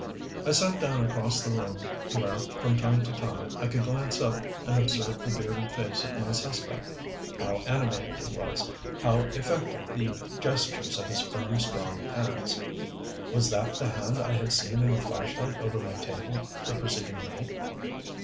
I sat down across the room where from time to time I could glance up and observe the bearded face of my suspect. How animated he was, how effective the gestures of his firm, strong hands. Was that the hand I had seen in the flashlight over my table the preceding night?